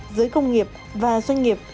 giới công nghiệp và doanh nghiệp